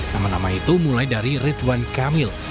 nama nama itu mulai dari ridwan kamil